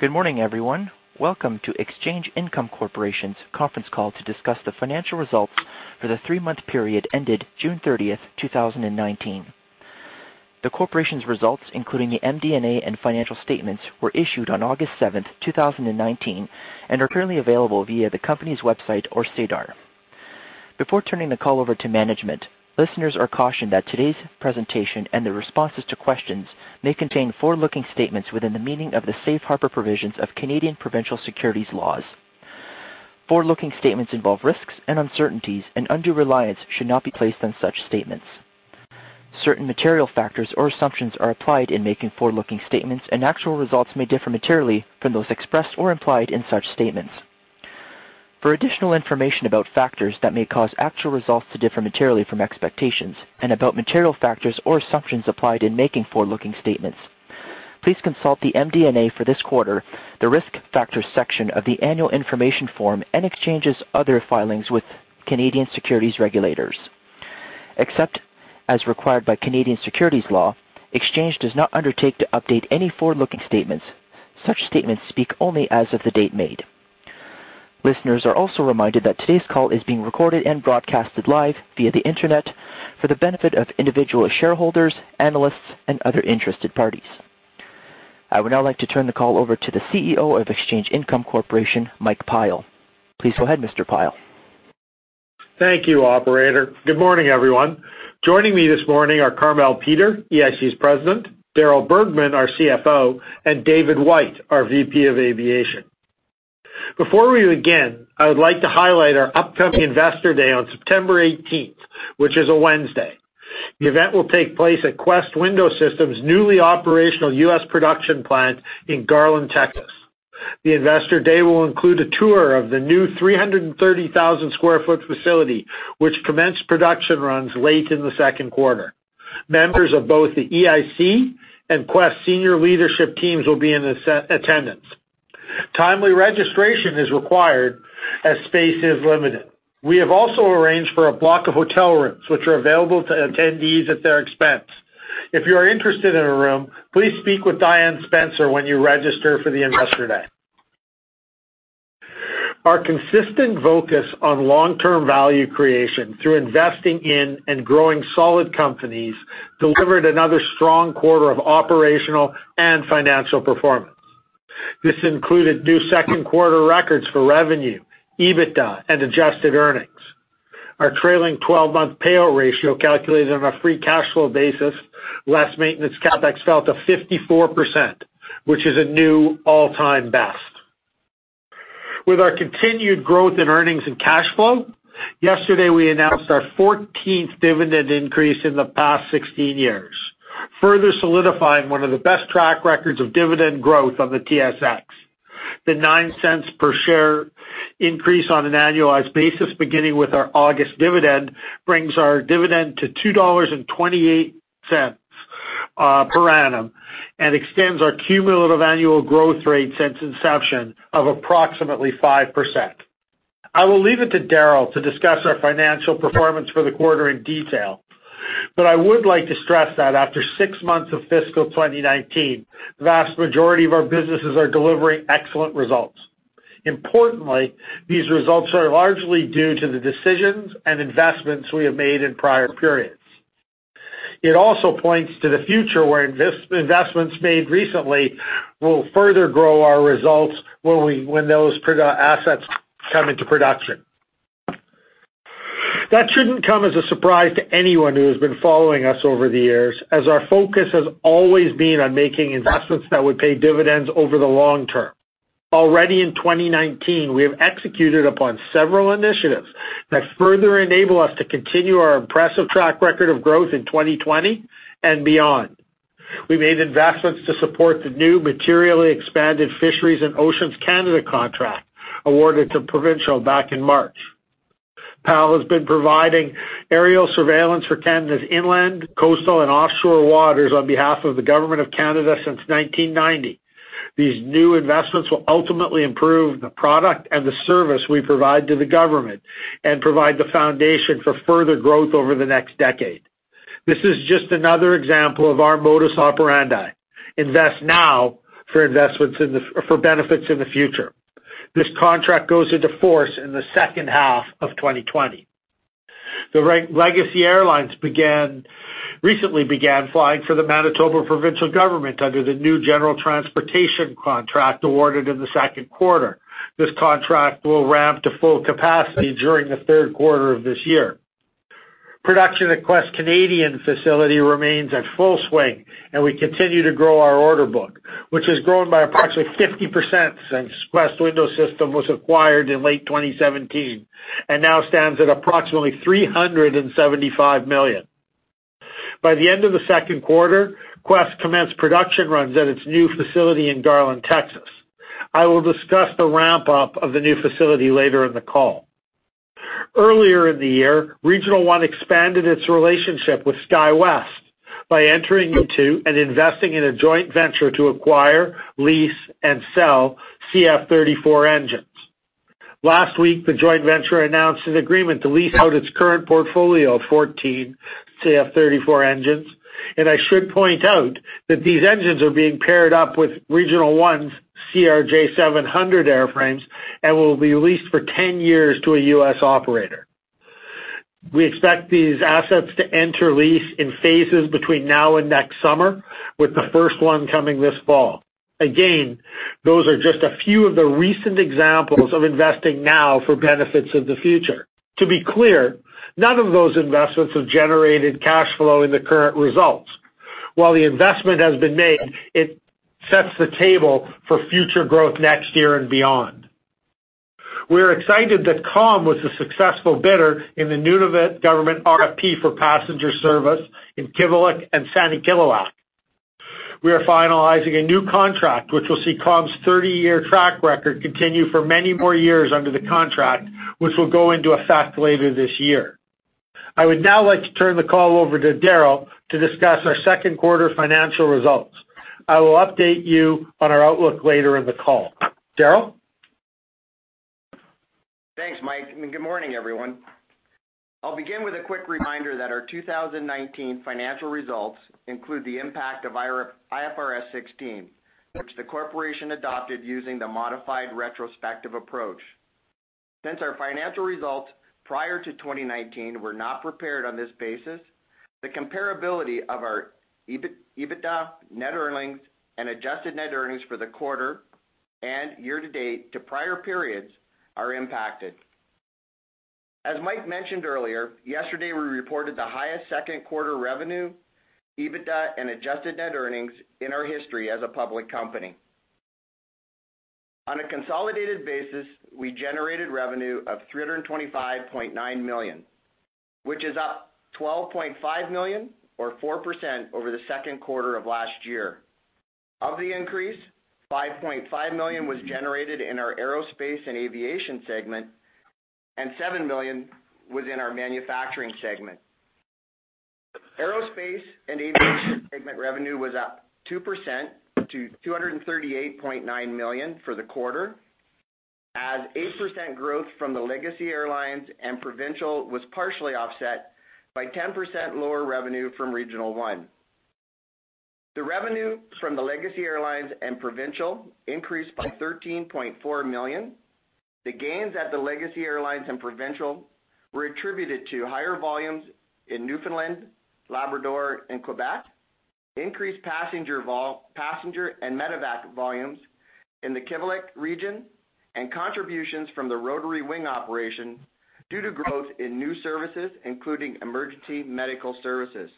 Good morning, everyone. Welcome to Exchange Income Corporation's conference call to discuss the financial results for the three-month period ended June 30th, 2019. The corporation's results, including the MD&A and financial statements, were issued on August 7th, 2019, and are currently available via the company's website or SEDAR. Before turning the call over to management, listeners are cautioned that today's presentation and the responses to questions may contain forward-looking statements within the meaning of the safe harbor provisions of Canadian provincial securities laws. Forward-looking statements involve risks and uncertainties, and undue reliance should not be placed on such statements. Certain material factors or assumptions are applied in making forward-looking statements, and actual results may differ materially from those expressed or implied in such statements. For additional information about factors that may cause actual results to differ materially from expectations and about material factors or assumptions applied in making forward-looking statements, please consult the MD&A for this quarter, the risk factors section of the annual information form, and Exchange's other filings with Canadian securities regulators. Except as required by Canadian securities law, Exchange does not undertake to update any forward-looking statements. Such statements speak only as of the date made. Listeners are also reminded that today's call is being recorded and broadcasted live via the internet for the benefit of individual shareholders, analysts, and other interested parties. I would now like to turn the call over to the CEO of Exchange Income Corporation, Michael Pyle. Please go ahead, Mr. Pyle. Thank you, operator. Good morning, everyone. Joining me this morning are Carmele Peter, EIC's President, Darryl Bergman, our CFO, and David White, our VP of Aviation. Before we begin, I would like to highlight our upcoming Investor Day on September 18th, which is a Wednesday. The event will take place at Quest Window Systems' newly operational U.S. production plant in Garland, Texas. The Investor Day will include a tour of the new 330,000 sq ft facility, which commenced production runs late in the second quarter. Members of both the EIC and Quest senior leadership teams will be in attendance. Timely registration is required as space is limited. We have also arranged for a block of hotel rooms, which are available to attendees at their expense. If you are interested in a room, please speak with Dianne Spencer when you register for the Investor Day. Our consistent focus on long-term value creation through investing in and growing solid companies delivered another strong quarter of operational and financial performance. This included new second quarter records for revenue, EBITDA, and adjusted earnings. Our trailing 12-month payout ratio, calculated on a free cash flow basis, less maintenance CapEx, fell to 54%, which is a new all-time best. With our continued growth in earnings and cash flow, yesterday, we announced our 14th dividend increase in the past 16 years, further solidifying one of the best track records of dividend growth on the TSX. The 0.09 per share increase on an annualized basis beginning with our August dividend brings our dividend to 2.28 dollars per annum and extends our cumulative annual growth rate since inception of approximately 5%. I will leave it to Darryl to discuss our financial performance for the quarter in detail, but I would like to stress that after six months of fiscal 2019, the vast majority of our businesses are delivering excellent results. Importantly, these results are largely due to the decisions and investments we have made in prior periods. It also points to the future where investments made recently will further grow our results when those assets come into production. That shouldn't come as a surprise to anyone who has been following us over the years, as our focus has always been on making investments that would pay dividends over the long term. Already in 2019, we have executed upon several initiatives that further enable us to continue our impressive track record of growth in 2020 and beyond. We made investments to support the new materially expanded Fisheries and Oceans Canada contract awarded to PAL Aerospace back in March. PAL has been providing aerial surveillance for Canada's inland, coastal, and offshore waters on behalf of the Government of Canada since 1990. These new investments will ultimately improve the product and the service we provide to the government and provide the foundation for further growth over the next decade. This is just another example of our modus operandi, invest now for benefits in the future. This contract goes into force in the second half of 2020. The Legacy Airlines recently began flying for the Manitoba provincial government under the new general transportation contract awarded in the second quarter. This contract will ramp to full capacity during the third quarter of this year. Production at Quest Canadian facility remains at full swing. We continue to grow our order book, which has grown by approximately 50% since Quest Window Systems was acquired in late 2017 and now stands at approximately 375 million. By the end of the second quarter, Quest commenced production runs at its new facility in Garland, Texas. I will discuss the ramp-up of the new facility later in the call. Earlier in the year, Regional One expanded its relationship with SkyWest by entering into and investing in a joint venture to acquire, lease, and sell CF34 engines. Last week, the joint venture announced an agreement to lease out its current portfolio of 14 CF34 engines. I should point out that these engines are being paired up with Regional One's CRJ700 airframes and will be leased for 10 years to a U.S. operator. We expect these assets to enter lease in phases between now and next summer, with the first one coming this fall. Those are just a few of the recent examples of investing now for benefits of the future. To be clear, none of those investments have generated cash flow in the current results. While the investment has been made, it sets the table for future growth next year and beyond. We're excited that Calm was the successful bidder in the Government of Nunavut RFP for passenger service in Kivalliq and Sanikiluaq. We are finalizing a new contract, which will see Calm's 30-year track record continue for many more years under the contract, which will go into effect later this year. I would now like to turn the call over to Darryl to discuss our second quarter financial results. I will update you on our outlook later in the call. Darryl? Thanks, Mike. Good morning, everyone. I'll begin with a quick reminder that our 2019 financial results include the impact of IFRS 16, which the corporation adopted using the modified retrospective approach. Since our financial results prior to 2019 were not prepared on this basis, the comparability of our EBITDA, net earnings, and adjusted net earnings for the quarter and year to date to prior periods are impacted. As Mike mentioned earlier, yesterday, we reported the highest second-quarter revenue, EBITDA, and adjusted net earnings in our history as a public company. On a consolidated basis, we generated revenue of 325.9 million, which is up 12.5 million or 4% over the second quarter of last year. Of the increase, 5.5 million was generated in our Aerospace & Aviation segment, and 7 million was in our Manufacturing segment. Aerospace & Aviation segment revenue was up 2% to 238.9 million for the quarter as 8% growth from the Legacy Airlines and Provincial was partially offset by 10% lower revenue from Regional One. The revenue from the Legacy Airlines and Provincial increased by 13.4 million. The gains at the Legacy Airlines and Provincial were attributed to higher volumes in Newfoundland, Labrador, and Quebec, increased passenger and medevac volumes in the Kivalliq region, and contributions from the Rotary Wing operation due to growth in new services, including emergency medical services.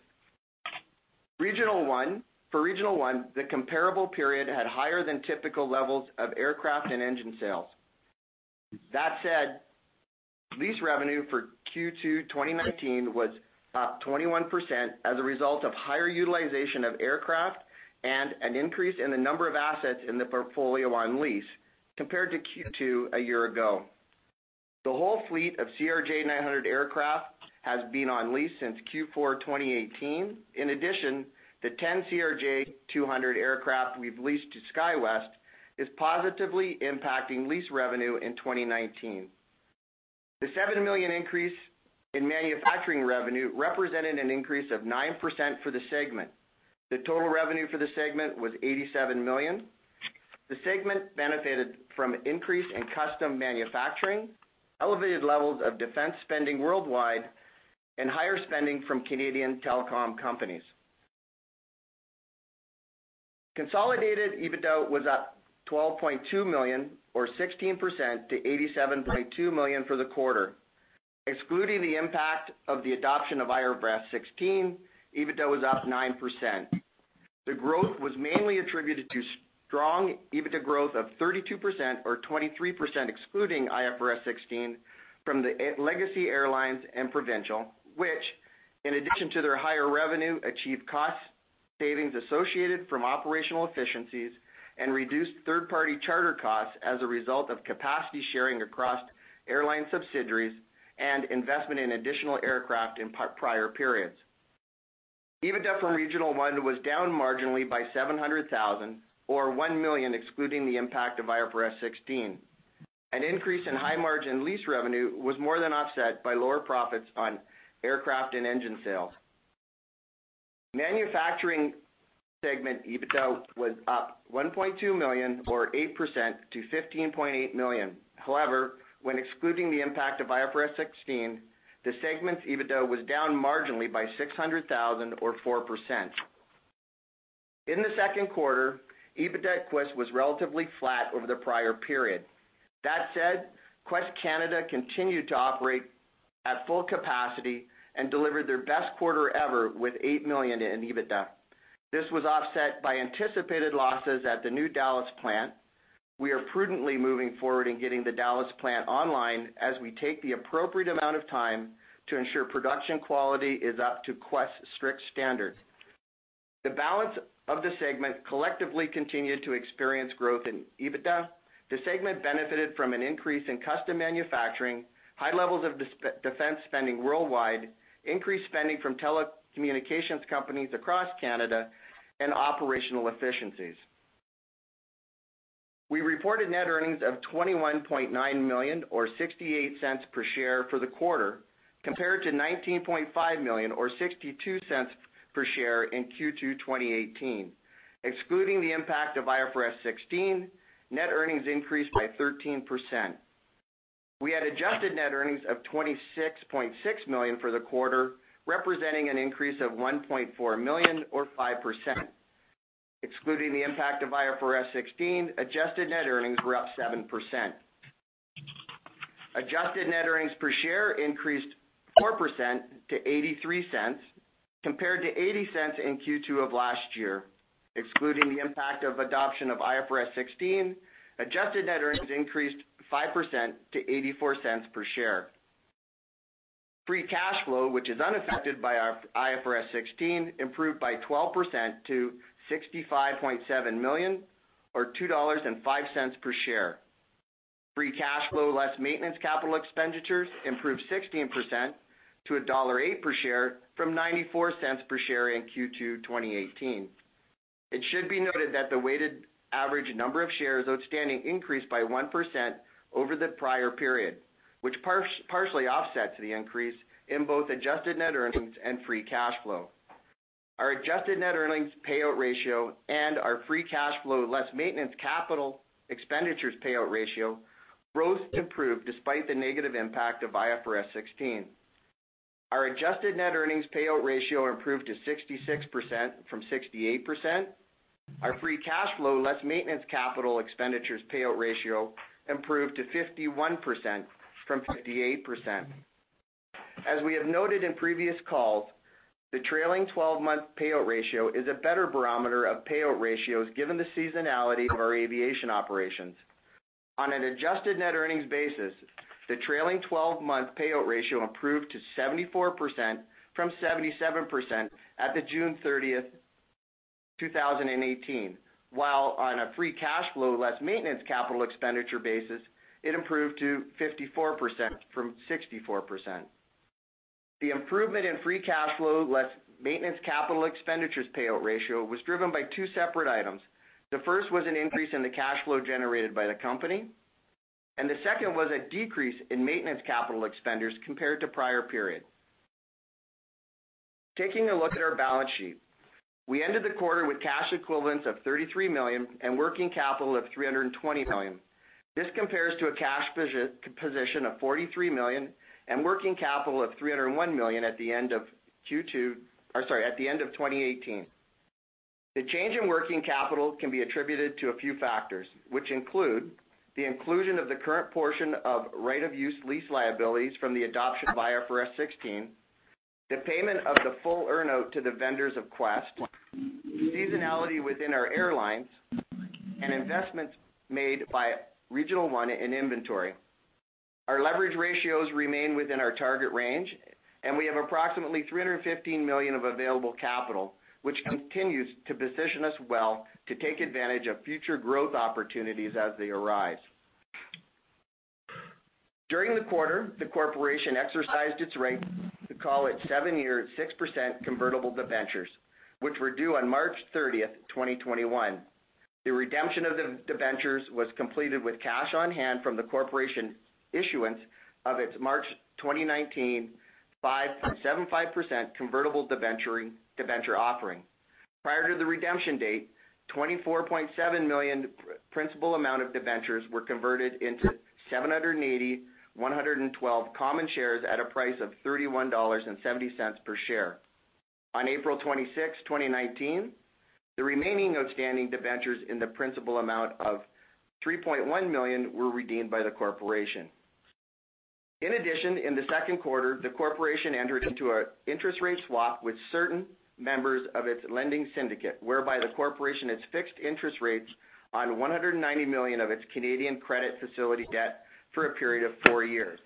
For Regional One, the comparable period had higher than typical levels of aircraft and engine sales. That said, lease revenue for Q2 2019 was up 21% as a result of higher utilization of aircraft and an increase in the number of assets in the portfolio on lease compared to Q2 a year ago. The whole fleet of CRJ900 aircraft has been on lease since Q4 2018. In addition, the 10 CRJ200 aircraft we've leased to SkyWest is positively impacting lease revenue in 2019. The seven million increase in manufacturing revenue represented an increase of 9% for the segment. The total revenue for the segment was 87 million. The segment benefited from increase in custom manufacturing, elevated levels of defense spending worldwide, and higher spending from Canadian telecom companies. Consolidated EBITDA was up 12.2 million or 16% to 87.2 million for the quarter. Excluding the impact of the adoption of IFRS 16, EBITDA was up 9%. The growth was mainly attributed to strong EBITDA growth of 32% or 23%, excluding IFRS 16 from the Legacy Airlines and Provincial, which in addition to their higher revenue, achieved cost savings associated from operational efficiencies and reduced third-party charter costs as a result of capacity sharing across airline subsidiaries and investment in additional aircraft in prior periods. EBITDA from Regional One was down marginally by 700,000 or 1 million, excluding the impact of IFRS 16. An increase in high-margin lease revenue was more than offset by lower profits on aircraft and engine sales. Manufacturing segment EBITDA was up 1.2 million or 8% to 15.8 million. When excluding the impact of IFRS 16, the segment's EBITDA was down marginally by 600,000 or 4%. In the second quarter, EBITDA Quest was relatively flat over the prior period. That said, Quest Canada continued to operate at full capacity and delivered their best quarter ever with 8 million in EBITDA. This was offset by anticipated losses at the new Dallas plant. We are prudently moving forward in getting the Dallas plant online as we take the appropriate amount of time to ensure production quality is up to Quest's strict standards. The balance of the segment collectively continued to experience growth in EBITDA. The segment benefited from an increase in custom manufacturing. High levels of defense spending worldwide, increased spending from telecommunications companies across Canada, and operational efficiencies. We reported net earnings of 21.9 million, or 0.68 per share for the quarter, compared to 19.5 million or 0.62 per share in Q2 2018. Excluding the impact of IFRS 16, net earnings increased by 13%. We had adjusted net earnings of 26.6 million for the quarter, representing an increase of 1.4 million or 5%. Excluding the impact of IFRS 16, adjusted net earnings were up 7%. Adjusted net earnings per share increased 4% to 0.83, compared to 0.80 in Q2 of last year. Excluding the impact of adoption of IFRS 16, adjusted net earnings increased 5% to 0.84 per share. Free cash flow, which is unaffected by IFRS 16, improved by 12% to 65.7 million, or 2.05 dollars per share. Free cash flow, less maintenance capital expenditures, improved 16% to dollar 1.08 per share from 0.94 per share in Q2 2018. It should be noted that the weighted average number of shares outstanding increased by 1% over the prior period, which partially offsets the increase in both adjusted net earnings and free cash flow. Our adjusted net earnings payout ratio and our free cash flow, less maintenance capital expenditures payout ratio, both improved despite the negative impact of IFRS 16. Our adjusted net earnings payout ratio improved to 66% from 68%. Our free cash flow, less maintenance capital expenditures payout ratio, improved to 51% from 58%. As we have noted in previous calls, the trailing 12-month payout ratio is a better barometer of payout ratios given the seasonality of our aviation operations. On an adjusted net earnings basis, the trailing 12-month payout ratio improved to 74% from 77% at the June 30, 2018, while on a free cash flow, less maintenance capital expenditure basis, it improved to 54% from 64%. The improvement in free cash flow, less maintenance capital expenditures payout ratio, was driven by two separate items. The first was an increase in the cash flow generated by the company, and the second was a decrease in maintenance capital expenditures compared to prior periods. Taking a look at our balance sheet, we ended the quarter with cash equivalents of 33 million and working capital of 320 million. This compares to a cash position of 43 million and working capital of 301 million at the end of 2018. The change in working capital can be attributed to a few factors, which include the inclusion of the current portion of right-of-use lease liabilities from the adoption of IFRS 16, the payment of the full earnout to the vendors of Quest, seasonality within our airlines, and investments made by Regional One in inventory. Our leverage ratios remain within our target range, and we have approximately 315 million of available capital, which continues to position us well to take advantage of future growth opportunities as they arise. During the quarter, the Corporation exercised its right to call its seven-year, 6% convertible debentures, which were due on March 30th, 2021. The redemption of the debentures was completed with cash on hand from the Corporation issuance of its March 2019 5.75% convertible debenture offering. Prior to the redemption date, 24.7 million principal amount of debentures were converted into 780,112 common shares at a price of 31.70 dollars per share. On April 26, 2019, the remaining outstanding debentures in the principal amount of 3.1 million were redeemed by the Corporation. In addition, in the second quarter, the corporation entered into an interest rate swap with certain members of its lending syndicate, whereby the corporation has fixed interest rates on 190 million of its Canadian credit facility debt for a period of four years.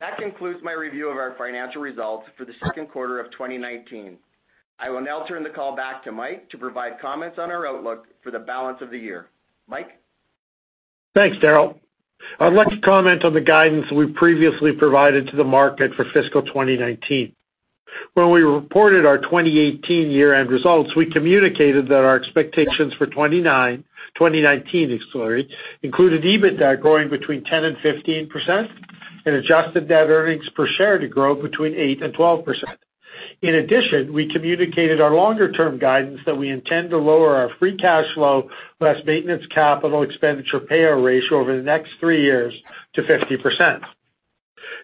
That concludes my review of our financial results for the second quarter of 2019. I will now turn the call back to Mike to provide comments on our outlook for the balance of the year. Mike? Thanks, Darryl. I'd like to comment on the guidance we previously provided to the market for fiscal 2019. When we reported our 2018 year-end results, we communicated that our expectations for 2019 included EBITDA growing between 10% and 15%, adjusted net earnings per share to grow between 8% and 12%. In addition, we communicated our longer-term guidance that we intend to lower our free cash flow, less maintenance capital expenditure payout ratio over the next three years to 50%.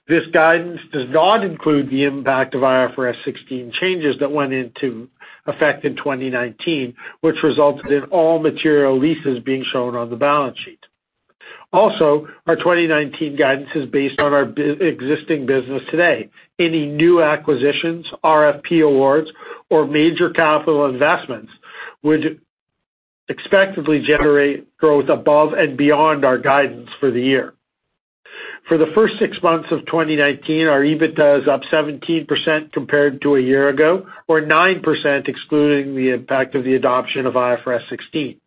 This guidance does not include the impact of IFRS 16 changes that went into effect in 2019, which resulted in all material leases being shown on the balance sheet. Our 2019 guidance is based on our existing business today. Any new acquisitions, RFP awards, or major capital investments would expectedly generate growth above and beyond our guidance for the year. For the first six months of 2019, our EBITDA is up 17% compared to a year ago, or 9% excluding the impact of the adoption of IFRS 16.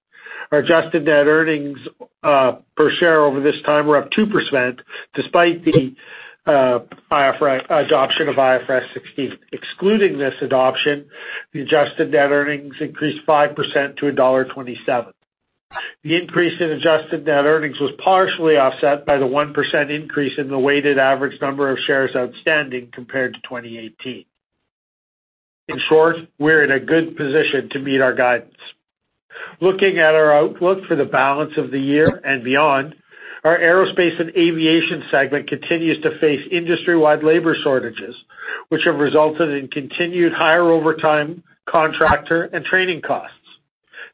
Our adjusted net earnings per share over this time were up 2%, despite the adoption of IFRS 16. Excluding this adoption, the adjusted net earnings increased 5% to dollar 1.27. The increase in adjusted net earnings was partially offset by the 1% increase in the weighted average number of shares outstanding compared to 2018. In short, we're in a good position to meet our guidance. Looking at our outlook for the balance of the year and beyond, our Aerospace and Aviation segment continues to face industry-wide labor shortages, which have resulted in continued higher overtime contractor and training costs.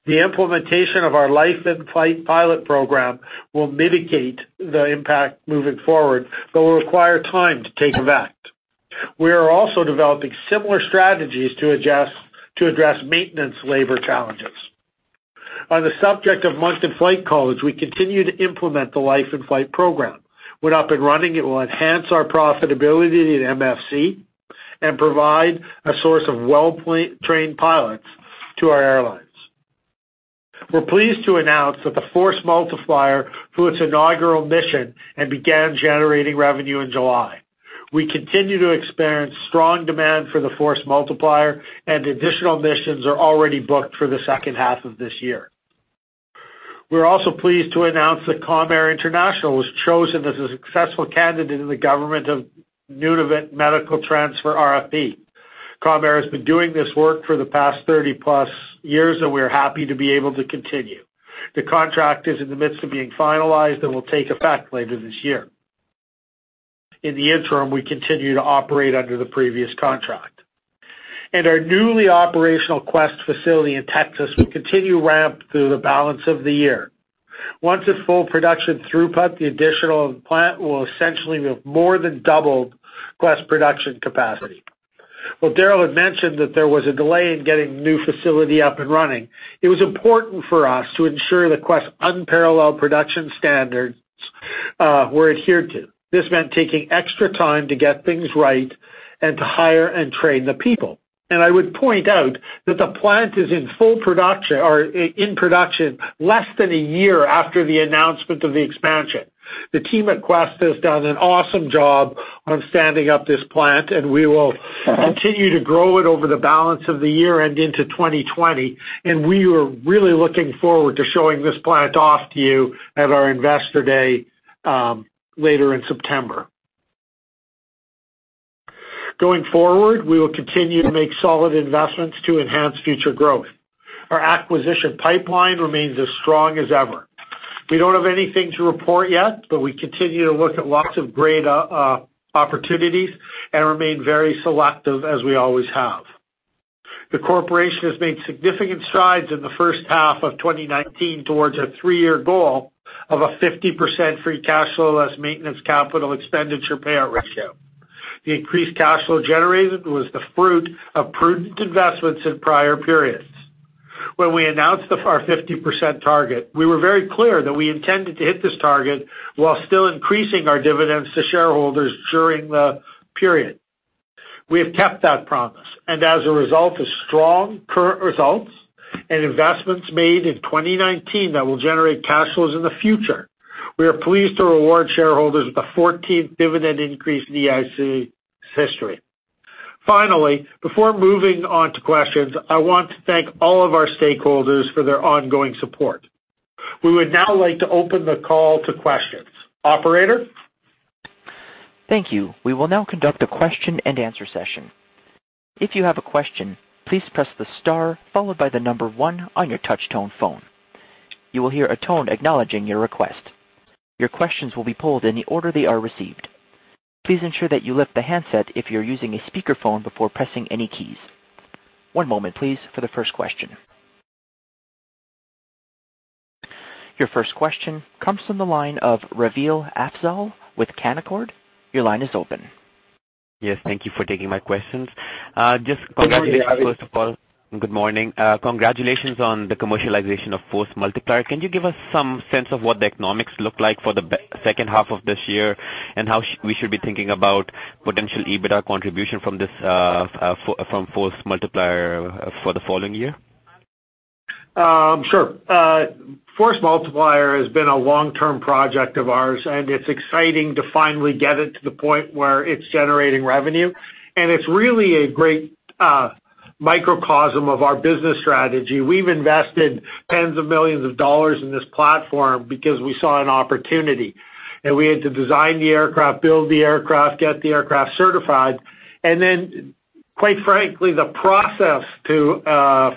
The implementation of our Life in Flight pilot program will mitigate the impact moving forward but will require time to take effect. We are also developing similar strategies to address maintenance labor challenges. On the subject of month-end flight calls, we continue to implement the Life in Flight program. When up and running, it will enhance our profitability at MFC and provide a source of well-trained pilots to our airlines. We're pleased to announce that the Force Multiplier flew its inaugural mission and began generating revenue in July. We continue to experience strong demand for the Force Multiplier, additional missions are already booked for the second half of this year. We're also pleased to announce that Calm Air International was chosen as a successful candidate in the Government of Nunavut medical transfer RFP. Calm Air has been doing this work for the past 30-plus years, we are happy to be able to continue. The contract is in the midst of being finalized and will take effect later this year. In the interim, we continue to operate under the previous contract. Our newly operational Quest facility in Texas will continue ramp through the balance of the year. Once at full production throughput, the additional plant will essentially have more than doubled Quest production capacity. While Darryl had mentioned that there was a delay in getting the new facility up and running, it was important for us to ensure that Quest's unparalleled production standards were adhered to. This meant taking extra time to get things right and to hire and train the people. I would point out that the plant is in production less than a year after the announcement of the expansion. The team at Quest has done an awesome job on standing up this plant. We will continue to grow it over the balance of the year and into 2020. We are really looking forward to showing this plant off to you at our Investor Day later in September. Going forward, we will continue to make solid investments to enhance future growth. Our acquisition pipeline remains as strong as ever. We don't have anything to report yet, but we continue to look at lots of great opportunities and remain very selective as we always have. The corporation has made significant strides in the first half of 2019 towards a three-year goal of a 50% free cash flow less maintenance capital expenditure payout ratio. The increased cash flow generated was the fruit of prudent investments in prior periods. When we announced our 50% target, we were very clear that we intended to hit this target while still increasing our dividends to shareholders during the period. We have kept that promise, and as a result of strong current results and investments made in 2019 that will generate cash flows in the future, we are pleased to reward shareholders with the 14th dividend increase in EIC's history. Finally, before moving on to questions, I want to thank all of our stakeholders for their ongoing support. We would now like to open the call to questions. Operator? Thank you. We will now conduct a question and answer session. If you have a question, please press the star followed by the number 1 on your touch-tone phone. You will hear a tone acknowledging your request. Your questions will be pulled in the order they are received. Please ensure that you lift the handset if you're using a speakerphone before pressing any keys. One moment, please, for the first question. Your first question comes from the line of Raveel Afzaal with Canaccord. Your line is open. Yes. Thank you for taking my questions. Good morning, Raveel. First of all, good morning. Congratulations on the commercialization of Force Multiplier. Can you give us some sense of what the economics look like for the second half of this year, and how we should be thinking about potential EBITDA contribution from Force Multiplier for the following year? Sure. Force Multiplier has been a long-term project of ours, and it's exciting to finally get it to the point where it's generating revenue, and it's really a great microcosm of our business strategy. We've invested tens of millions of CAD in this platform because we saw an opportunity, and we had to design the aircraft, build the aircraft, get the aircraft certified, and then quite frankly, the process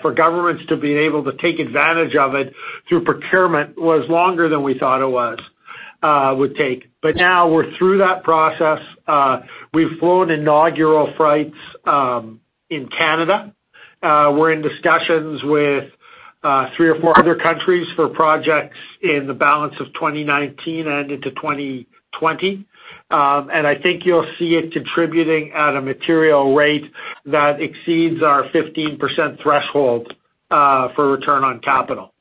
for governments to be able to take advantage of it through procurement was longer than we thought it would take. Now we're through that process. We've flown inaugural flights in Canada. We're in discussions with three or four other countries for projects in the balance of 2019 and into 2020. I think you'll see it contributing at a material rate that exceeds our 15% threshold for return on capital.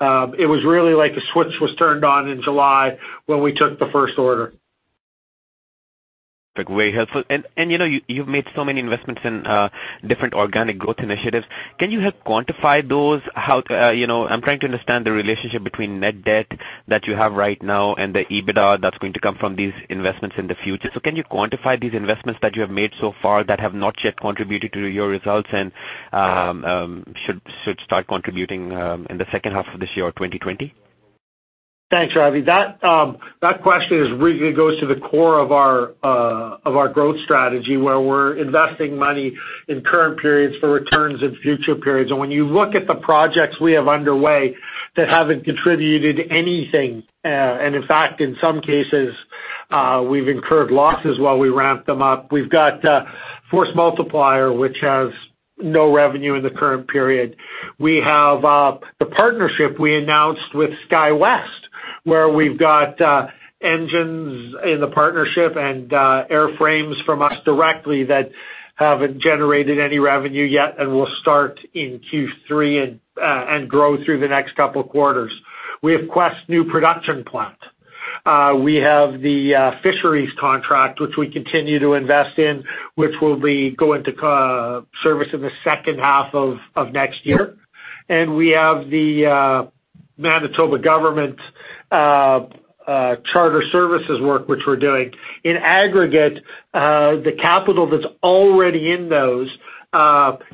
It was really like a switch was turned on in July when we took the first order. Like way helpful. You've made so many investments in different organic growth initiatives. Can you help quantify those? I'm trying to understand the relationship between net debt that you have right now and the EBITDA that's going to come from these investments in the future. Can you quantify these investments that you have made so far that have not yet contributed to your results and should start contributing in the second half of this year or 2020? Thanks, Raveel. When you look at the projects we have underway that haven't contributed anything, and in fact, in some cases, we've incurred losses while we ramp them up. We've got Force Multiplier, which has no revenue in the current period. We have the partnership we announced with SkyWest, where we've got engines in the partnership and airframes from us directly that haven't generated any revenue yet and will start in Q3 and grow through the next couple of quarters. We have Quest new production plant. We have the Fisheries contract, which we continue to invest in, which will go into service in the second half of next year. And we have the Manitoba Government charter services work, which we're doing. In aggregate, the capital that's already in those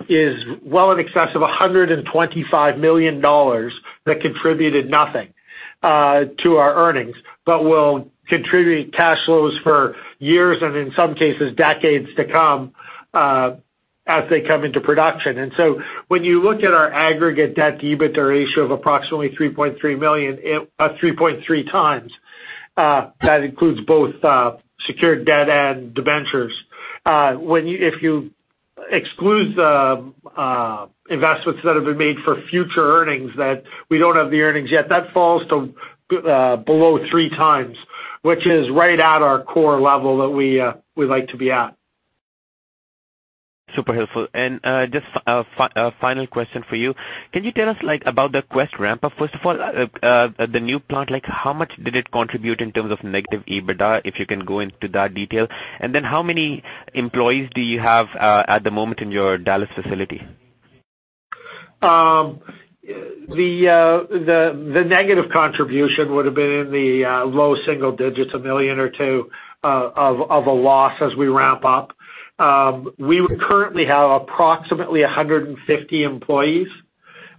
is well in excess of 125 million dollars that contributed nothing to our earnings, but will contribute cash flows for years and in some cases, decades to come as they come into production. When you look at our aggregate debt-to-EBITDA ratio of approximately 3.3 times, that includes both secured debt and debentures. If you exclude the investments that have been made for future earnings, that we don't have the earnings yet, that falls to below 3 times, which is right at our core level that we like to be at. Super helpful. Just a final question for you. Can you tell us about the Quest ramp-up? First of all, the new plant, how much did it contribute in terms of negative EBITDA, if you can go into that detail? Then how many employees do you have at the moment in your Dallas facility? The negative contribution would have been in the low single digits, 1 million or 2 million of a loss as we ramp up. We currently have approximately 150 employees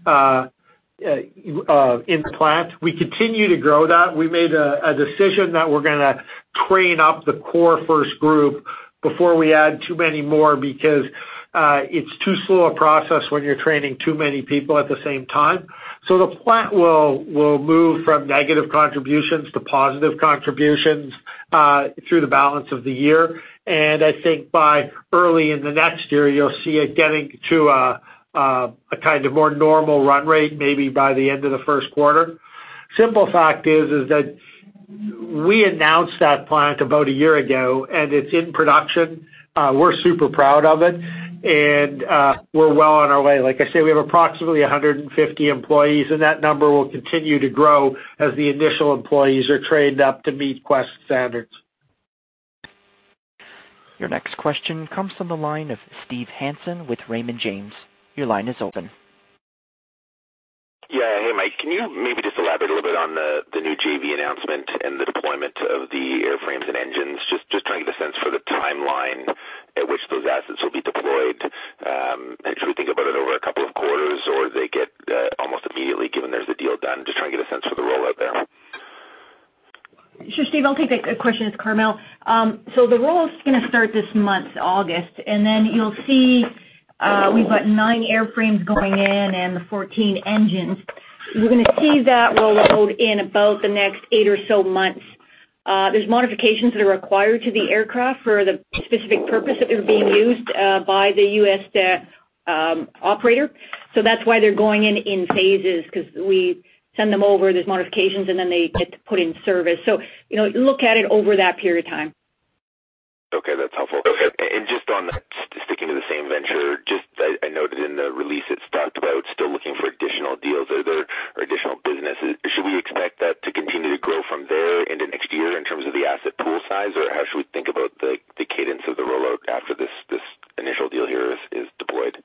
in the plant. We continue to grow that. We made a decision that we're going to train up the core first group before we add too many more because it's too slow a process when you're training too many people at the same time. The plant will move from negative contributions to positive contributions through the balance of the year. I think by early in the next year, you'll see it getting to a more normal run rate, maybe by the end of the first quarter. Simple fact is that we announced that plant about a year ago, and it's in production. We're super proud of it, and we're well on our way. Like I say, we have approximately 150 employees, and that number will continue to grow as the initial employees are trained up to meet Quest standards. Your next question comes from the line of Steve Hansen with Raymond James. Your line is open. Yeah. Hey, Mike, can you maybe just elaborate a little bit on the new JV announcement and the deployment of the airframes and engines? Just trying to get a sense for the timeline at which those assets will be deployed. Should we think about it over a couple of quarters, or they get almost immediately given there's a deal done? Just trying to get a sense for the rollout there. Sure, Steve, I'll take that question. It's Carmele. The rollout's going to start this month, August, and then you'll see we've got nine airframes going in and the 14 engines. You're going to see that roll out in about the next eight or so months. There's modifications that are required to the aircraft for the specific purpose that they're being used by the U.S. operator. That's why they're going in in phases, because we send them over, there's modifications, and then they get put in service. Look at it over that period of time. Okay. That's helpful. Just on sticking to the same venture, I noted in the release it talked about still looking for additional deals or additional business. Should we expect that to continue to grow from there into next year in terms of the asset pool size? How should we think about the cadence of the rollout after this initial deal here is deployed?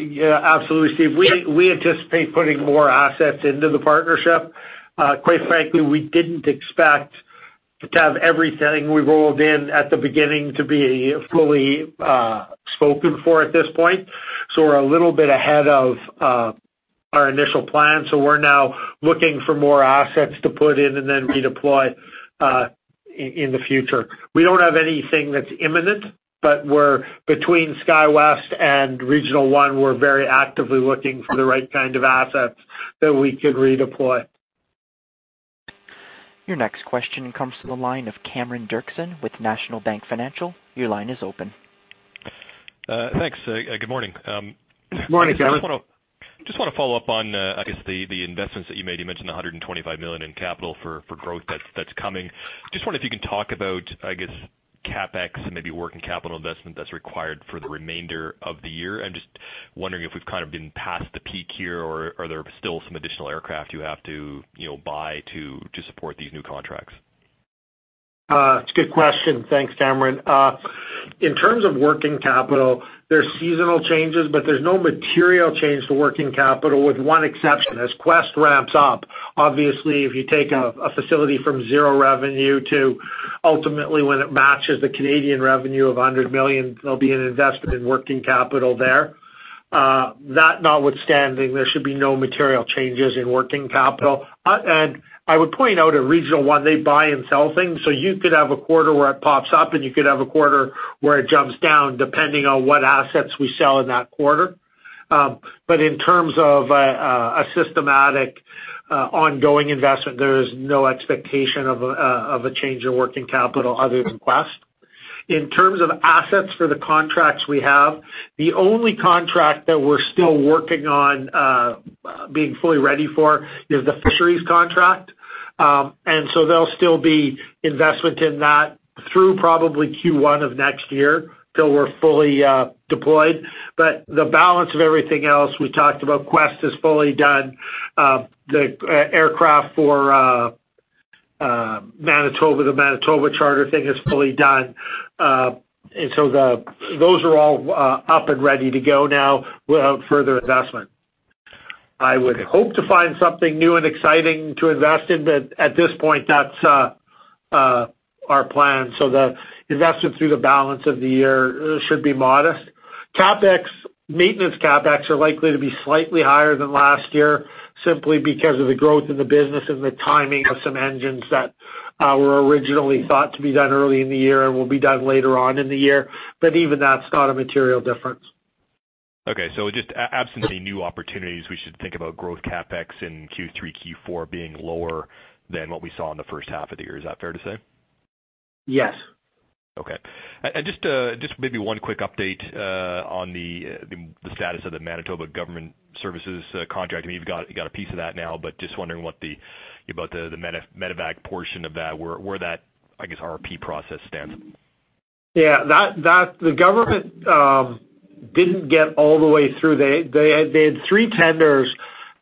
Yeah, absolutely, Steve. We anticipate putting more assets into the partnership. Quite frankly, we didn't expect to have everything we rolled in at the beginning to be fully spoken for at this point. We're a little bit ahead of our initial plan. We're now looking for more assets to put in and then redeploy in the future. We don't have anything that's imminent, but between SkyWest and Regional One, we're very actively looking for the right kind of assets that we could redeploy. Your next question comes from the line of Cameron Doerksen with National Bank Financial. Your line is open. Thanks. Good morning. Morning, Cameron. Want to follow up on, I guess, the investments that you made. You mentioned the 125 million in capital for growth that's coming. Wonder if you can talk about, I guess, CapEx and maybe working capital investment that's required for the remainder of the year. I'm just wondering if we've kind of been past the peak here, or are there still some additional aircraft you have to buy to support these new contracts? It's a good question. Thanks, Cameron. In terms of working capital, there's seasonal changes, there's no material change to working capital, with one exception. As Quest ramps up, obviously, if you take a facility from zero revenue to ultimately when it matches the Canadian revenue of 100 million, there'll be an investment in working capital there. That notwithstanding, there should be no material changes in working capital. I would point out at Regional One, they buy and sell things, you could have a quarter where it pops up, you could have a quarter where it jumps down, depending on what assets we sell in that quarter. In terms of a systematic, ongoing investment, there is no expectation of a change in working capital other than Quest. In terms of assets for the contracts we have, the only contract that we're still working on being fully ready for is the Fisheries contract. There'll still be investment in that through probably Q1 of next year till we're fully deployed. The balance of everything else, we talked about Quest is fully done. The aircraft for the Manitoba charter thing is fully done. Those are all up and ready to go now without further investment. I would hope to find something new and exciting to invest in, but at this point, that's our plan. The investment through the balance of the year should be modest. Maintenance CapEx are likely to be slightly higher than last year, simply because of the growth in the business and the timing of some engines that were originally thought to be done early in the year and will be done later on in the year. Even that's not a material difference. Okay, just absent any new opportunities, we should think about growth CapEx in Q3, Q4 being lower than what we saw in the first half of the year. Is that fair to say? Yes. Okay. Just maybe one quick update on the status of the Manitoba Government services contract. I mean, you've got a piece of that now, but just wondering about the medevac portion of that, where that, I guess, RFP process stands. Yeah. The government didn't get all the way through. They had three tenders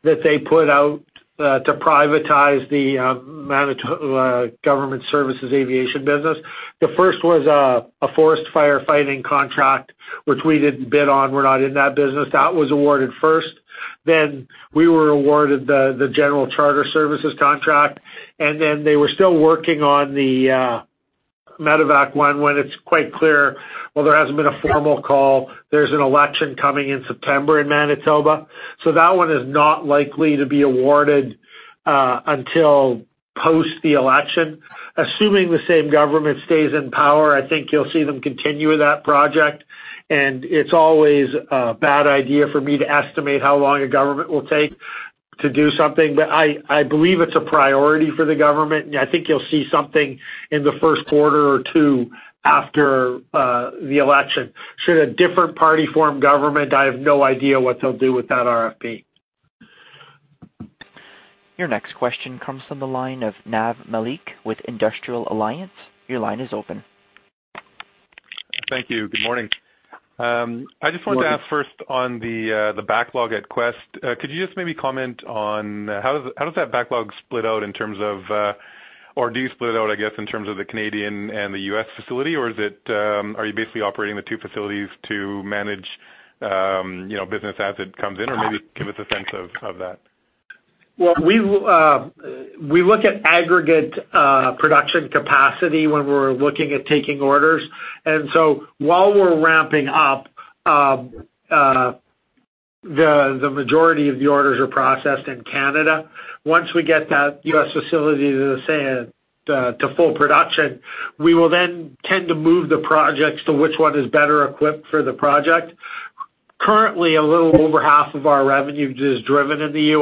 that they put out to privatize the Manitoba Government Air Service. The first was a forest firefighting contract, which we didn't bid on. We're not in that business. That was awarded first. We were awarded the general charter services contract, and then they were still working on the medevac one when it's quite clear, while there hasn't been a formal call, there's an election coming in September in Manitoba. That one is not likely to be awarded until post the election. Assuming the same government stays in power, I think you'll see them continue with that project. It's always a bad idea for me to estimate how long a government will take to do something. I believe it's a priority for the government, and I think you'll see something in the first quarter or two after the election. Should a different party form government, I have no idea what they'll do with that RFP. Your next question comes from the line of Nav Malik with Industrial Alliance. Your line is open. Thank you. Good morning. Morning. I just wanted to ask first on the backlog at Quest. Could you just maybe comment on how does that backlog split out or do you split out, I guess, in terms of the Canadian and the U.S. facility? Are you basically operating the two facilities to manage business as it comes in? Maybe give us a sense of that. We look at aggregate production capacity when we're looking at taking orders. While we're ramping up, the majority of the orders are processed in Canada. Once we get that US facility to full production, we will then tend to move the projects to which one is better equipped for the project. Currently, a little over half of our revenue is driven in the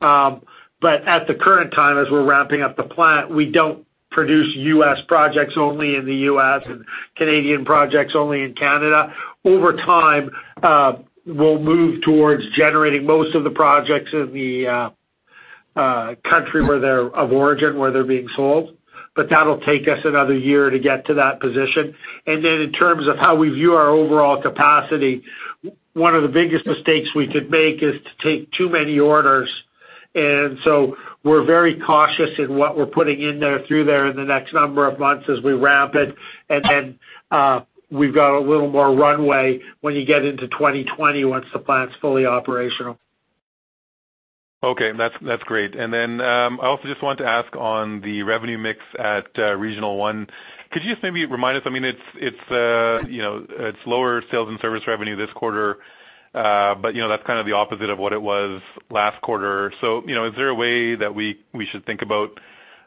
US. At the current time, as we're ramping up the plant, we don't produce US projects only in the US and Canadian projects only in Canada. Over time, we'll move towards generating most of the projects in the country where they're of origin, where they're being sold. That'll take us another year to get to that position. In terms of how we view our overall capacity, one of the biggest mistakes we could make is to take too many orders. We're very cautious in what we're putting in there through there in the next number of months as we ramp it. We've got a little more runway when you get into 2020 once the plant's fully operational. Okay. That's great. I also just wanted to ask on the revenue mix at Regional One. Could you just maybe remind us? I mean, it's lower sales and service revenue this quarter. That's kind of the opposite of what it was last quarter. Is there a way that we should think about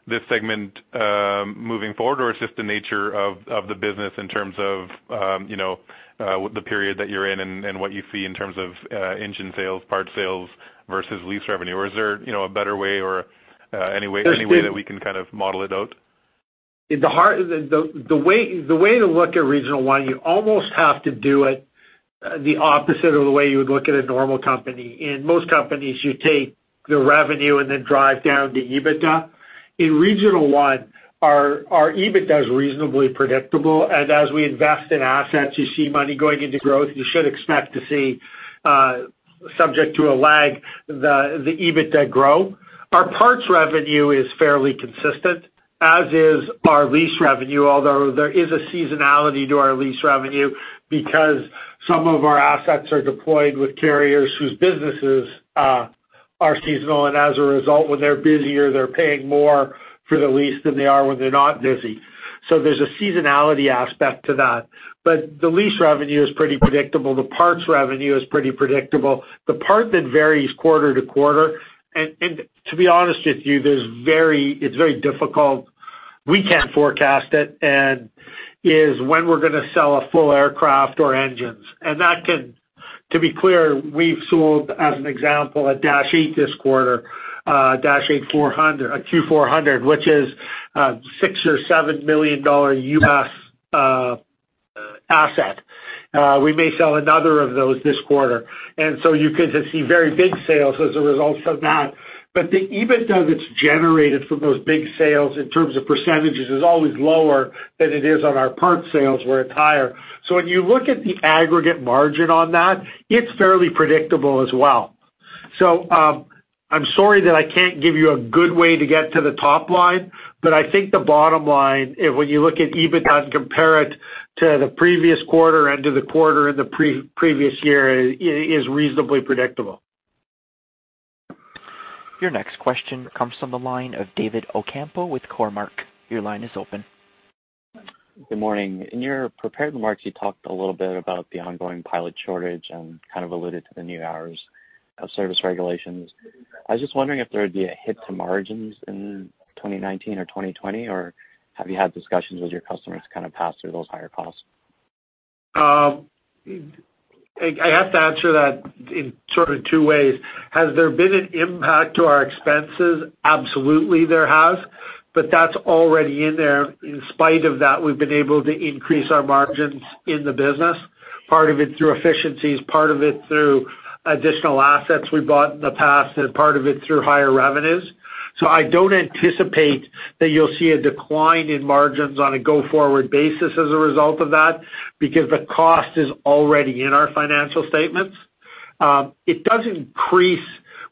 this segment moving forward, or it's just the nature of the business in terms of the period that you're in and what you see in terms of engine sales, part sales versus lease revenue? Is there a better way or any way that we can kind of model it out? The way to look at Regional One, you almost have to do it the opposite of the way you would look at a normal company. In most companies, you take the revenue and then drive down the EBITDA. In Regional One, our EBITDA is reasonably predictable. As we invest in assets, you see money going into growth, you should expect to see, subject to a lag, the EBITDA grow. Our parts revenue is fairly consistent, as is our lease revenue, although there is a seasonality to our lease revenue because some of our assets are deployed with carriers whose businesses are seasonal. As a result, when they're busier, they're paying more for the lease than they are when they're not busy. There's a seasonality aspect to that. The lease revenue is pretty predictable. The parts revenue is pretty predictable. The part that varies quarter to quarter, and to be honest with you, it's very difficult. We can't forecast it, and is when we're going to sell a full aircraft or engines. To be clear, we've sold, as an example, a Dash 8 this quarter, a Dash 8-400, a Q400, which is a 6 million or 7 million dollar asset. We may sell another of those this quarter. You could just see very big sales as a result of that. The EBITDA that's generated from those big sales in terms of percentages is always lower than it is on our parts sales, where it's higher. When you look at the aggregate margin on that, it's fairly predictable as well. I'm sorry that I can't give you a good way to get to the top line, but I think the bottom line, when you look at EBITDA and compare it to the previous quarter and to the quarter in the previous year, is reasonably predictable. Your next question comes from the line of David Ocampo with Cormark. Your line is open. Good morning. In your prepared remarks, you talked a little bit about the ongoing pilot shortage and kind of alluded to the new hours of service regulations. I was just wondering if there would be a hit to margins in 2019 or 2020, or have you had discussions with your customers to kind of pass through those higher costs? I have to answer that in sort of two ways. Has there been an impact to our expenses? Absolutely, there has. That's already in there. In spite of that, we've been able to increase our margins in the business, part of it through efficiencies, part of it through additional assets we bought in the past, and part of it through higher revenues. I don't anticipate that you'll see a decline in margins on a go-forward basis as a result of that, because the cost is already in our financial statements. It does increase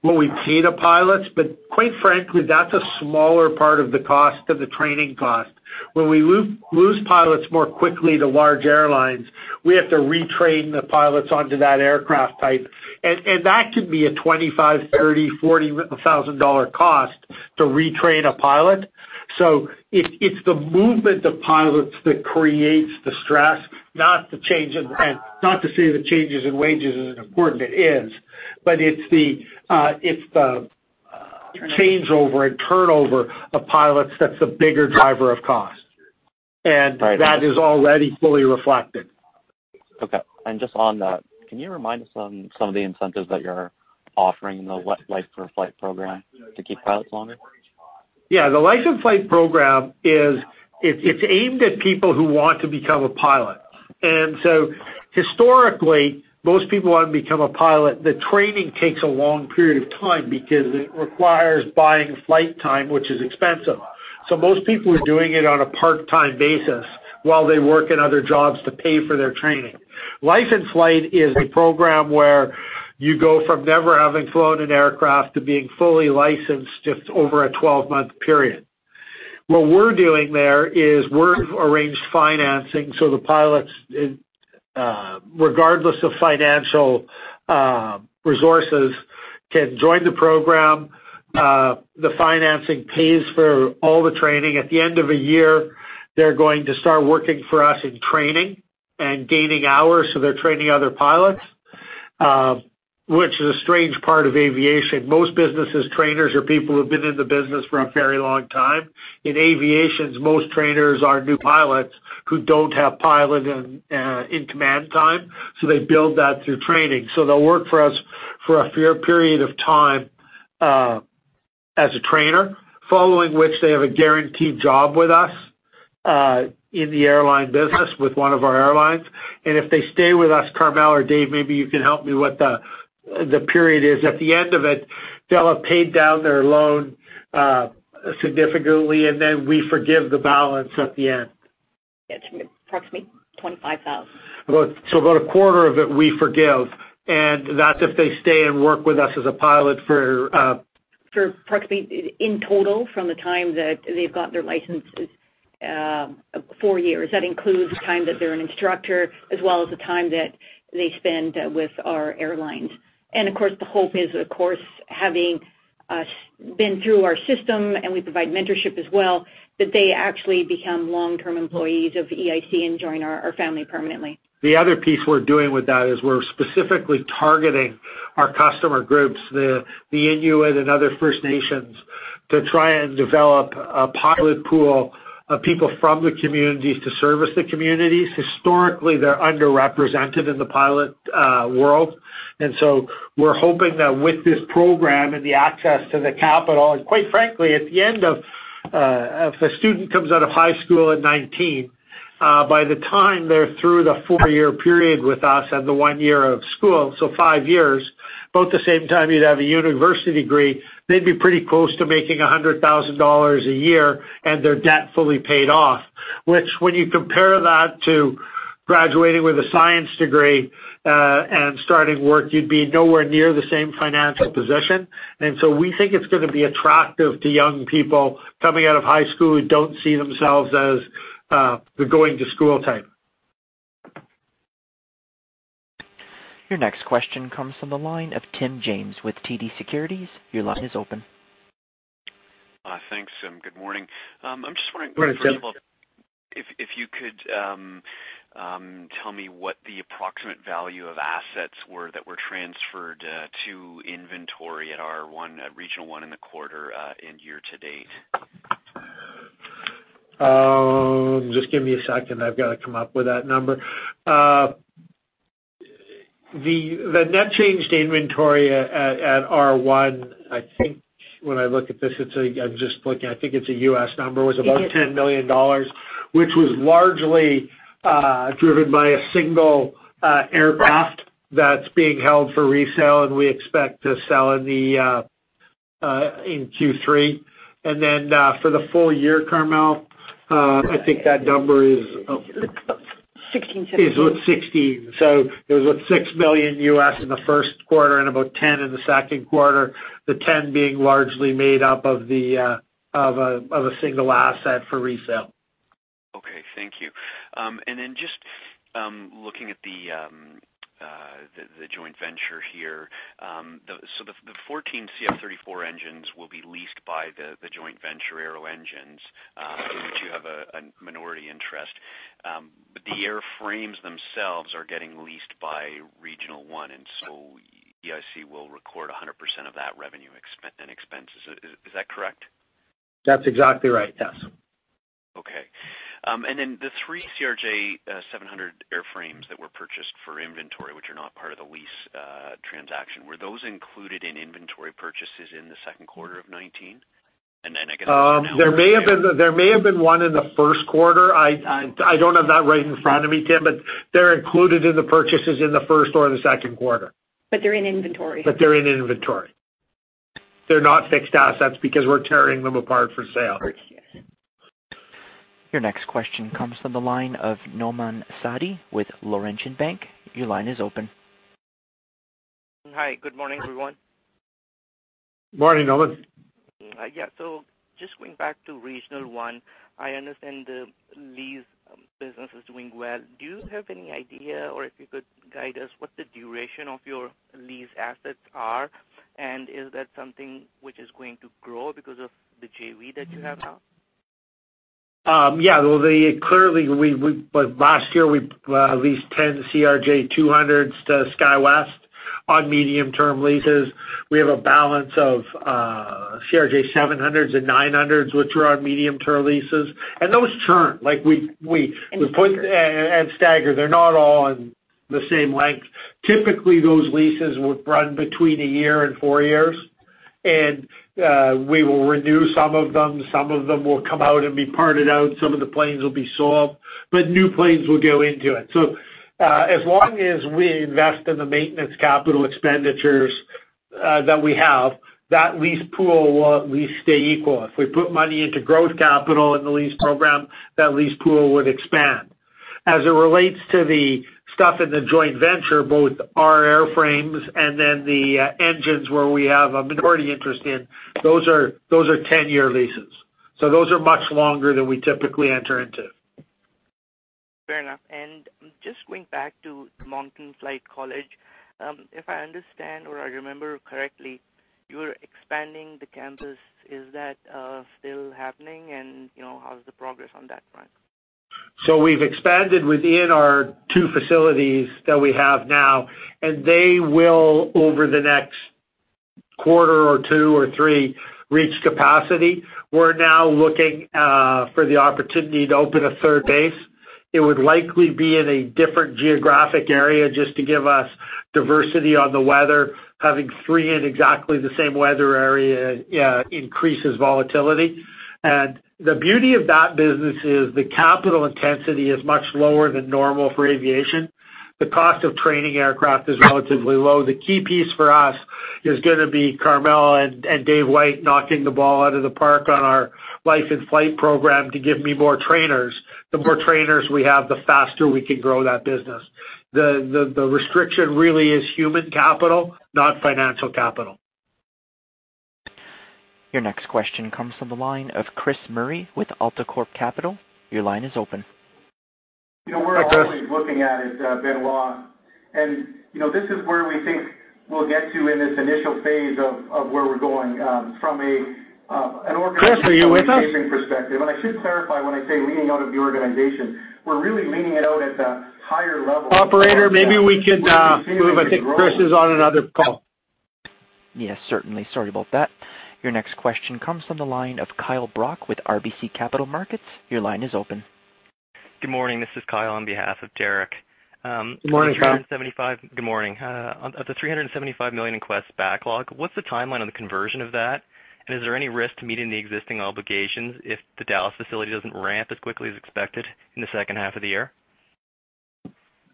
what we pay the pilots, quite frankly, that's a smaller part of the cost of the training cost. When we lose pilots more quickly to large airlines, we have to retrain the pilots onto that aircraft type. That could be a 25, 30, 40,000 dollar cost to retrain a pilot. It's the movement of pilots that creates the stress, not to say the changes in wages isn't important, it is. It's the changeover and turnover of pilots that's the bigger driver of cost. Right. That is already fully reflected. Okay. Just on that, can you remind us on some of the incentives that you're offering in the License to Fly program to keep pilots longer? Yeah, the License to Fly program is aimed at people who want to become a pilot. Historically, most people who want to become a pilot, the training takes a long period of time because it requires buying flight time, which is expensive. Most people are doing it on a part-time basis while they work in other jobs to pay for their training. License to Fly is a program where you go from never having flown an aircraft to being fully licensed just over a 12-month period. What we're doing there is we've arranged financing so the pilots, regardless of financial resources, can join the program. The financing pays for all the training. At the end of a year, they're going to start working for us in training and gaining hours, so they're training other pilots, which is a strange part of aviation. Most businesses, trainers are people who've been in the business for a very long time. In aviation, most trainers are new pilots who don't have pilot in command time, so they build that through training. They'll work for us for a period of time as a trainer, following which they have a guaranteed job with us in the airline business with one of our airlines. If they stay with us, Carmele or Dave, maybe you can help me what the period is. At the end of it, they'll have paid down their loan significantly, and then we forgive the balance at the end. It's approximately 25,000. About a quarter of it we forgive, and that's if they stay and work with us as a pilot for- For approximately in total from the time that they've got their licenses, four years. That includes time that they're an instructor, as well as the time that they spend with our airlines. Of course, the hope is, of course, having been through our system, and we provide mentorship as well, that they actually become long-term employees of EIC and join our family permanently. The other piece we're doing with that is we're specifically targeting our customer groups, the Inuit and other First Nations, to try and develop a pilot pool of people from the communities to service the communities. Historically, they're underrepresented in the pilot world. We're hoping that with this program and the access to the capital, and quite frankly, if a student comes out of high school at 19. By the time they're through the 4-year period with us and the one year of school, so five years, about the same time you'd have a university degree, they'd be pretty close to making 100,000 dollars a year and their debt fully paid off. Which when you compare that to graduating with a science degree and starting work, you'd be nowhere near the same financial position. We think it's going to be attractive to young people coming out of high school who don't see themselves as the going to school type. Your next question comes from the line of Tim James with TD Securities. Your line is open. Thanks, and good morning. Morning, Tim. First of all, if you could tell me what the approximate value of assets were that were transferred to inventory at Regional One in the quarter and year to date. Just give me a second. I've got to come up with that number. The net change to inventory at R1, I think when I look at this, I'm just looking, I think it's a U.S. number. It was about $10 million, which was largely driven by a single aircraft that's being held for resale, and we expect to sell in Q3. For the full year, Carmele, I think that number is. 16, 17. is with 16. It was $6 million in the first quarter and about 10 in the second quarter, the 10 being largely made up of a single asset for resale. Okay, thank you. Just looking at the joint venture here. The 14 CF34 engines will be leased by the joint venture Aero Engines, in which you have a minority interest. The airframes themselves are getting leased by Regional One, EIC will record 100% of that revenue and expenses. Is that correct? That's exactly right. Yes. Okay. The three CRJ700 airframes that were purchased for inventory, which are not part of the lease transaction, were those included in inventory purchases in the second quarter of 2019? There may have been one in the first quarter. I don't have that right in front of me, Tim, but they're included in the purchases in the first or the second quarter. They're in inventory. They're in inventory. They're not fixed assets because we're tearing them apart for sale. Right. Yes. Your next question comes from the line of Nauman Satti with Laurentian Bank. Your line is open. Hi, good morning, everyone. Morning, Nauman. Yeah. Just going back to Regional One, I understand the lease business is doing well. Do you have any idea, or if you could guide us what the duration of your lease assets are, and is that something which is going to grow because of the JV that you have now? Yeah. Well, last year, we leased 10 CRJ200s to SkyWest on medium-term leases. We have a balance of CRJ700s and 900s, which are on medium-term leases. Those turn. Stagger. Stagger. They're not all in the same length. Typically, those leases would run between a year and four years, and we will renew some of them. Some of them will come out and be parted out. Some of the planes will be sold. New planes will go into it. As long as we invest in the maintenance capital expenditures that we have, that lease pool will at least stay equal. If we put money into growth capital in the lease program, that lease pool would expand. As it relates to the stuff in the joint venture, both our airframes and then the engines where we have a minority interest in, those are 10-year leases. Those are much longer than we typically enter into. Fair enough. Just going back to Moncton Flight College, if I understand or I remember correctly, you were expanding the campus. Is that still happening? How's the progress on that front? We've expanded within our two facilities that we have now, and they will, over the next quarter or two or three, reach capacity. We're now looking for the opportunity to open a third base. It would likely be in a different geographic area just to give us diversity on the weather. Having three in exactly the same weather area increases volatility. The beauty of that business is the capital intensity is much lower than normal for aviation. The cost of training aircraft is relatively low. The key piece for us is going to be Carmele and David White knocking the ball out of the park on our Life in Flight program to give me more trainers. The more trainers we have, the faster we can grow that business. The restriction really is human capital, not financial capital. Your next question comes from the line of Chris Murray with AltaCorp Capital. Your line is open. Hi, Chris. We're always looking at it, Benoit. This is where we think we'll get to in this initial phase of where we're going from an. Chris, are you with us? perspective. I should clarify, when I say leaning out of the organization, we're really leaning it out at the higher level. Operator, maybe we could move. I think Chris is on another call. Yes, certainly. Sorry about that. Your next question comes from the line of Kyle Brock with RBC Capital Markets. Your line is open. Good morning. This is Kyle on behalf of Derek. Morning, Kyle. Good morning. Of the 375 million in Quest Window Systems backlog, what's the timeline on the conversion of that? Is there any risk to meeting the existing obligations if the Dallas facility doesn't ramp as quickly as expected in the second half of the year?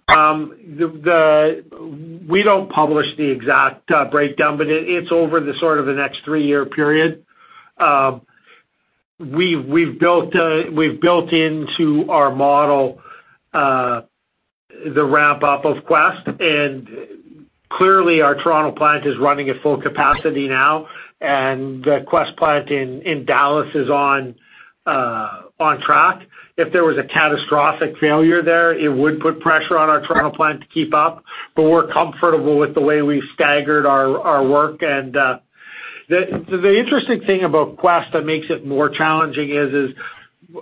We don't publish the exact breakdown, but it's over the sort of next three-year period. We've built into our model the ramp-up of Quest, and clearly our Toronto plant is running at full capacity now, and the Quest plant in Dallas is on track. If there was a catastrophic failure there, it would put pressure on our Toronto plant to keep up, but we're comfortable with the way we've staggered our work. The interesting thing about Quest that makes it more challenging is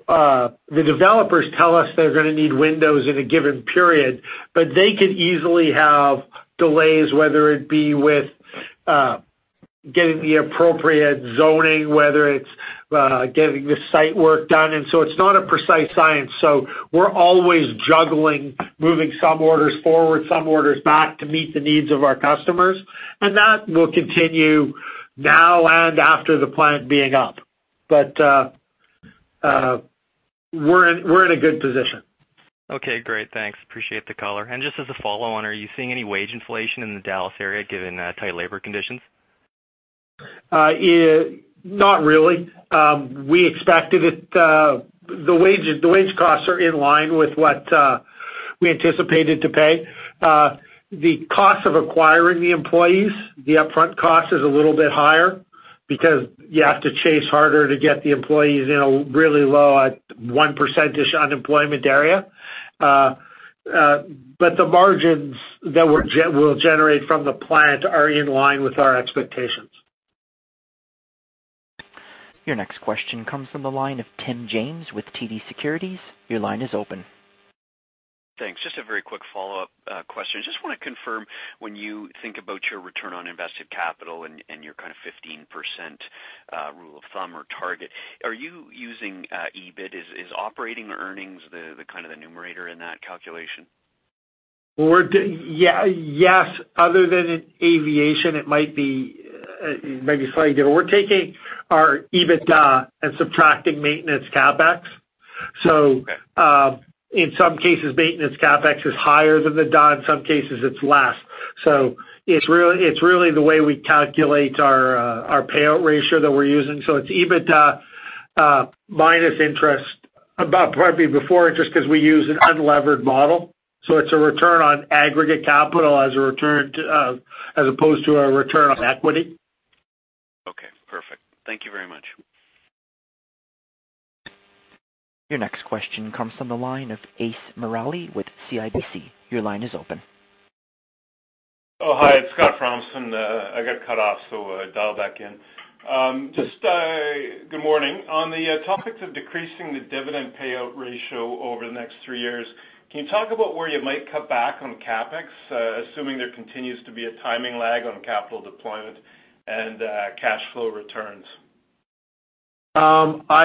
the developers tell us they're going to need windows in a given period, but they could easily have delays, whether it be with getting the appropriate zoning, whether it's getting the site work done. It's not a precise science. We're always juggling, moving some orders forward, some orders back to meet the needs of our customers. That will continue now and after the plant being up. We're in a good position. Okay, great. Thanks. Appreciate the color. Just as a follow-on, are you seeing any wage inflation in the Dallas area given tight labor conditions? Not really. We expected it. The wage costs are in line with what we anticipated to pay. The cost of acquiring the employees, the upfront cost is a little bit higher because you have to chase harder to get the employees in a really low at 1% unemployment area. The margins that we'll generate from the plant are in line with our expectations. Your next question comes from the line of Tim James with TD Securities. Your line is open. Thanks. Just a very quick follow-up question. Just want to confirm, when you think about your return on invested capital and your kind of 15% rule of thumb or target, are you using EBIT? Is operating earnings the kind of the numerator in that calculation? Yes. Other than in aviation, it might be slightly different. We're taking our EBITDA and subtracting maintenance CapEx. In some cases, maintenance CapEx is higher than the DA. In some cases, it's less. It's really the way we calculate our payout ratio that we're using. It's EBITDA minus interest, probably before interest, because we use an unlevered model. It's a return on aggregate capital as opposed to a return on equity. Okay, perfect. Thank you very much. Your next question comes from the line of Ace Murali with CIBC. Your line is open. Hi. It's Scott Fromson. I got cut off, dial back in. Good morning. On the topic of decreasing the dividend payout ratio over the next three years, can you talk about where you might cut back on CapEx, assuming there continues to be a timing lag on capital deployment and cash flow returns? I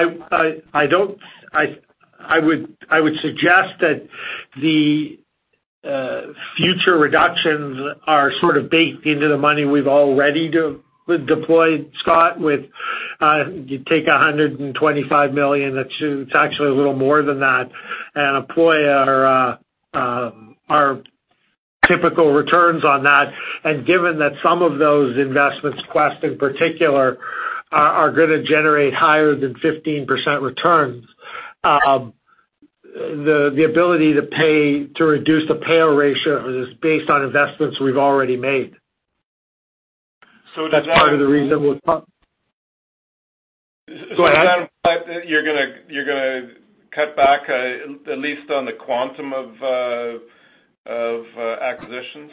would suggest that the future reductions are sort of baked into the money we've already deployed, Scott. You take 125 million, it's actually a little more than that, and employ our typical returns on that. Given that some of those investments, Quest in particular, are going to generate higher than 15% returns, the ability to reduce the payout ratio is based on investments we've already made. That's part of the reason we're. Go ahead. Does that mean you're going to cut back, at least on the quantum of acquisitions?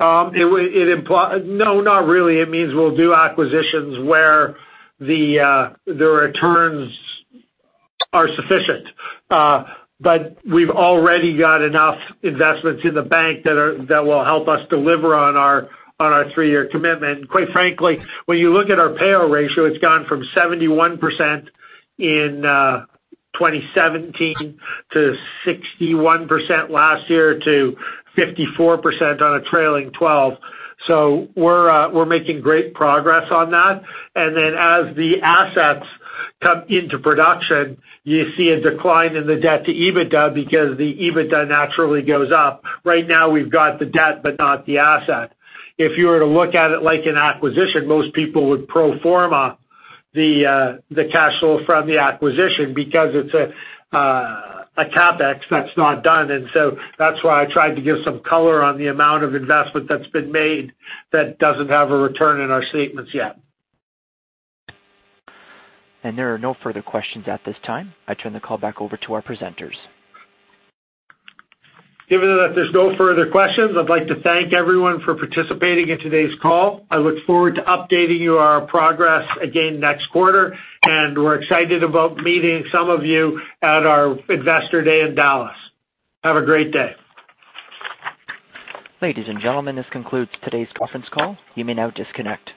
No, not really. It means we'll do acquisitions where the returns are sufficient. We've already got enough investments in the bank that will help us deliver on our three-year commitment. Quite frankly, when you look at our payout ratio, it's gone from 71% in 2017 to 61% last year to 54% on a trailing 12. We're making great progress on that. As the assets come into production, you see a decline in the debt to EBITDA because the EBITDA naturally goes up. Right now, we've got the debt, but not the asset. If you were to look at it like an acquisition, most people would pro forma the cash flow from the acquisition because it's a CapEx that's not done. That's why I tried to give some color on the amount of investment that's been made that doesn't have a return in our statements yet. There are no further questions at this time. I turn the call back over to our presenters. Given that there's no further questions, I'd like to thank everyone for participating in today's call. I look forward to updating you on our progress again next quarter, and we're excited about meeting some of you at our investor day in Dallas. Have a great day. Ladies and gentlemen, this concludes today's conference call. You may now disconnect.